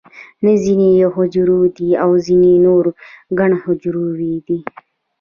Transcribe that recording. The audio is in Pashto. نه ځینې یو حجروي دي او ځینې نور ګڼ حجروي دي